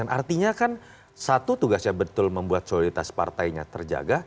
artinya kan satu tugasnya betul membuat soliditas partainya terjaga